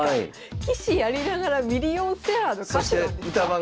棋士やりながらミリオンセラーの歌手なんですか？